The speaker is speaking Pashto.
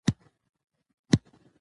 د اختلاف زغم بلوغ ښيي